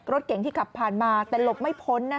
รถเก๋งที่ขับผ่านมาแต่หลบไม่พ้น